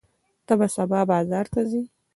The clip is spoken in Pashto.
ته به سبا بازار ته ځې؟